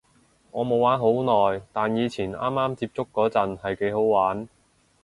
我冇玩好耐，但以前啱啱接觸嗰陣係幾好玩